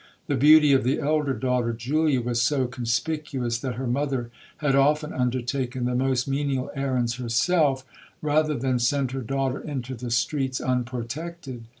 The beauty of the elder daughter, Julia, was so conspicuous, that her mother had often undertaken the most menial errands herself, rather than send her daughter into the streets unprotected.